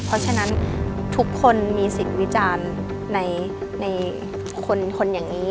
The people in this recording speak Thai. เพราะฉะนั้นทุกคนมีสิทธิ์วิจารณ์ในคนอย่างนี้